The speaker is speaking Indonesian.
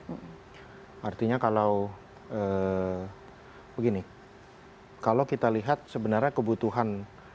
artinya kalau begini kalau kita lihat sebenarnya kebutuhan